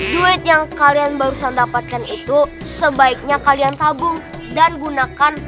duit yang kalian barusan dapatkan itu sebaiknya kalian tabung dan gunakan